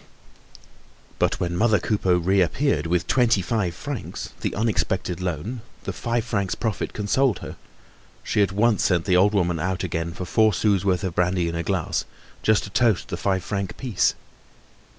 But when mother Coupeau reappeared with twenty five francs, the unexpected loan, the five francs profit consoled her; she at once sent the old woman out again for four sous' worth of brandy in a glass, just to toast the five franc piece.